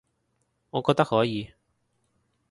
我覺得可以